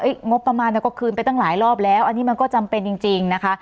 งบประมาณก็คืนไปตั้งหลายรอบแล้วอันนี้มันก็จำเป็นจริงนะคะ